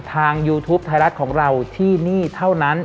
ยูทูปไทยรัฐของเราที่นี่เท่านั้น